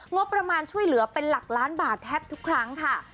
งบประมาณช่วยเหลือเป็นหลักล้านบาทแทบทุกครั้งค่ะ